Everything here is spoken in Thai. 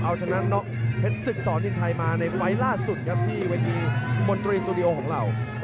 เอาชนะน็อกเทศศึกสอนที่ไทยมาในไฟล์ล่าสุดครับที่วิทยาลัยมนตรีสุดิโอของเรา